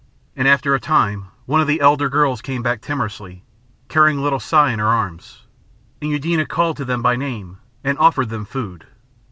And after a time one of the elder girls came back timorously, carrying little Si in her arms, and Eudena called to them by name, and offered them food.